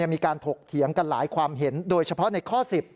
ถกเถียงกันหลายความเห็นโดยเฉพาะในข้อ๑๐